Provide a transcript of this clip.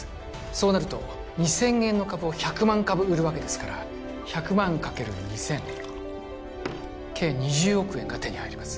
そうなると２０００円の株を１００万株売るわけですから１００万かける２０００計２０億円が手に入ります